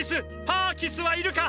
パーキスはいるか